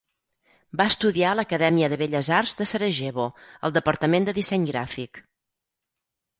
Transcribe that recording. Va estudiar a l'Acadèmia de Belles Arts de Sarajevo, al Departament de Disseny Gràfic.